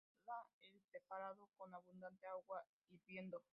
Se ceba el preparado con abundante agua hirviendo.